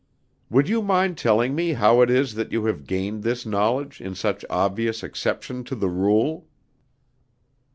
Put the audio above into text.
"Would you mind telling me how it is that you have gained this knowledge in such obvious exception to the rule!"